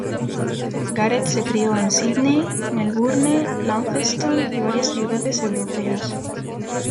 Gareth se crio en Sídney, Melbourne, Launceston y varias ciudades europeas.